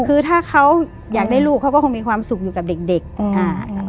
คือถ้าเขาอยากได้ลูกเขาก็คงมีความสุขอยู่กับเด็กเด็กอืมอ่า